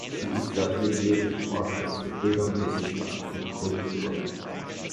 Sie ist dort Mitglied im Ausschuss für Bildung, Wissenschaft und Kultur.